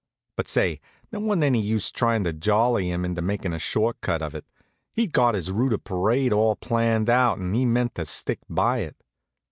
But say, there wa'n't any use tryin' to jolly him into makin' a short cut of it. He'd got his route of parade all planned out and he meant to stick by it.